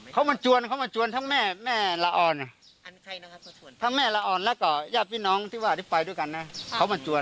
เขามาจวนเขามาจวนทั้งแม่แม่ละออนทั้งแม่ละอ่อนแล้วก็ญาติพี่น้องที่ว่าที่ไปด้วยกันนะเขามาจวน